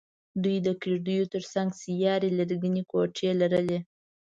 دوی د کېږدیو تر څنګ سیارې لرګینې کوټې لرلې.